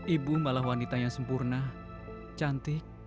ibu malah wanita yang sempurna cantik